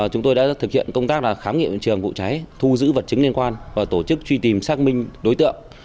chúng tôi đã thực hiện công tác khám nghiệm hiện trường vụ cháy thu giữ vật chứng liên quan và tổ chức truy tìm xác minh đối tượng